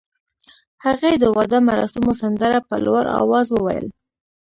هغې د واده مراسمو سندره په لوړ اواز وویل.